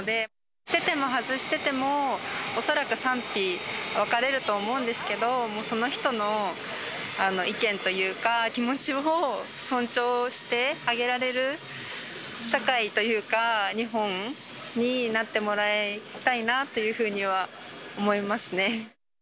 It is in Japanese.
してても、外してても、恐らく賛否分かれると思うんですけど、その人の意見というか、気持ちを尊重してあげられる社会というか、日本になってもらいたいなっていうふうには思いますね。